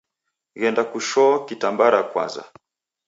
Ghenda kushoo kitambara kwaza.